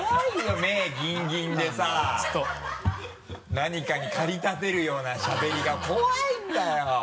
何かに駆り立てるようなしゃべりが怖いんだよ！